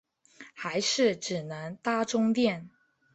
还是只能搭终电